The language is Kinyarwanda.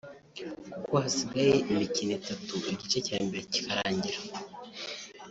kuko hasigaye imikino itatu igice cya mbere kikarangira